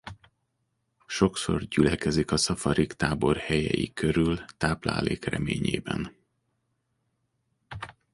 Sokszor gyülekezik a szafarik táborhelyei körül táplálék reményében.